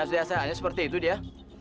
ada apa dengan dia